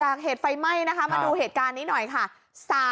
เหตุไฟไหม้นะคะมาดูเหตุการณ์นี้หน่อยค่ะ